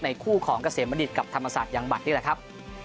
คู่ของเกษมบัณฑิตกับธรรมศาสตร์ยังบัตรนี่แหละครับ